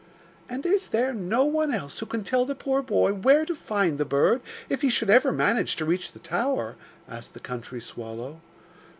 'And is there no one else who can tell the poor boy where to find the bird, if he should ever manage to reach the tower?' asked the country swallow.